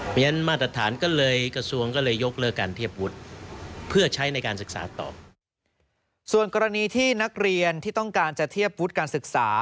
เพราะฉะนั้นมาตรฐานก็เลยกระทรวงก็เลยยกเลิกการเทียบวุฒิ